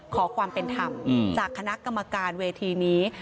ขอความเป็นธรรมจากคณะกรรมการเวทีนี้